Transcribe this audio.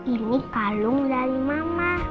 ini kalung dari mama